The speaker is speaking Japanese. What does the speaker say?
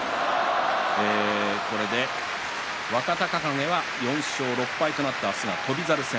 これで若隆景が４勝６敗となって、明日は翔猿戦。